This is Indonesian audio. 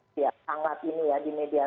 sangat ini ya di media